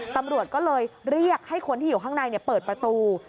ตำรวจก็เลยเรียกให้คนที่อยู่ข้างในเปิดประตู